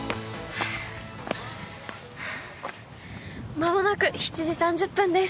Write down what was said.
まもなく７時３０分です。